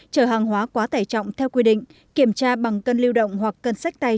chở hàng hóa quá tải trọng theo quy định kiểm tra bằng cân lưu động hoặc cân sách tay